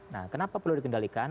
nah kenapa perlu dikendalikan